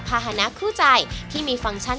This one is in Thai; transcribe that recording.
ภาษณะคู่ใจที่มีฟังก์ชัน